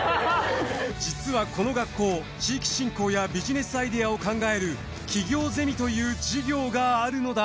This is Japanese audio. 実はこの学校地域振興やビジネスアイデアを考える起業ゼミという授業があるのだ。